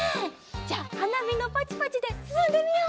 じゃあはなびのパチパチですすんでみよう。